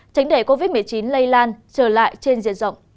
tránh để covid một mươi chín lây lan trở lại trên diện rộng